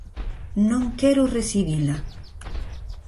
Non quero recibila!